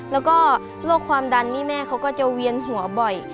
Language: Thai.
แล้วก็โรคความดันนี่แม่เขาก็จะเวียนหัวบ่อย